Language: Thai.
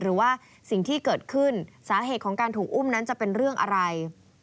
หรือว่าสิ่งที่เกิดขึ้นสาเหตุของการถูกอุ้มนั้นจะเป็นเรื่องอะไร